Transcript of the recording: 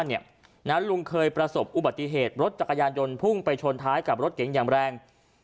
ลุงเคยประสบอุบัติเหตุรถจักรยานยนต์พุ่งไปชนท้ายกับรถเก๋งอย่างแรง